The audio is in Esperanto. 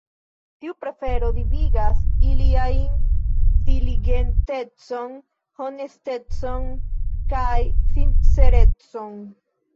Tiu prefero vidigas iliajn diligentecon, honestecon kaj sincerecon.